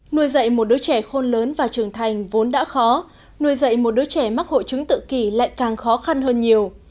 nuôi dạy một đứa trẻ khôn lớn và trưởng thành vốn đã khó nuôi dạy một đứa trẻ mắc hội chứng tự kỷ lại càng khó khăn hơn nhiều